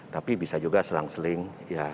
tapi bisa juga selang seling ya